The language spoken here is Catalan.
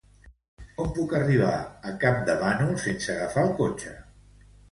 Com puc arribar a Campdevànol sense agafar el cotxe?